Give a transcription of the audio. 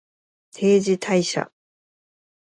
定時退社